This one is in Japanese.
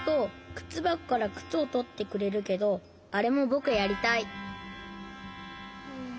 くつばこからくつをとってくれるけどあれもぼくやりたい。